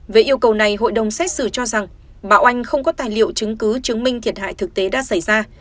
về yêu cầu này hội đồng xét xử cho rằng bà oanh không có tài liệu chứng cứ chứng minh thiệt hại thực tế đã xảy ra